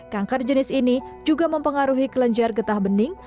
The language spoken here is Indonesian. kanker jenis ini juga mempengaruhi kelenjar getah bening